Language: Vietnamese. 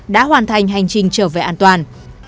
đã hoàn thành hành trình trở về an toàn